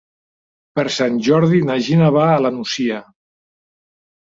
Per Sant Jordi na Gina va a la Nucia.